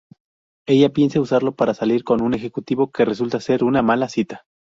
Ella piensa usarlo para salir con un ejecutivo que resulta ser una mala cita.